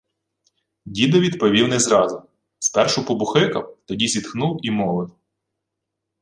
Дідо відповів не зразу. Спершу побухикав, тоді зітхнув і мовив: